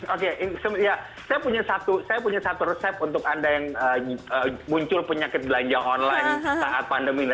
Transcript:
oke saya punya satu resep untuk anda yang muncul penyakit belanja online saat pandemi ini